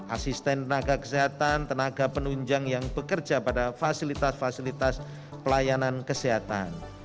asisten tenaga kesehatan tenaga penunjang yang bekerja pada fasilitas fasilitas pelayanan kesehatan